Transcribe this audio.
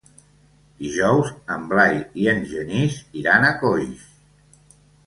Dijous en Blai i en Genís iran a Coix.